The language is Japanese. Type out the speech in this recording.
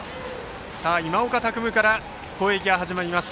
今岡拓夢から攻撃が始まります。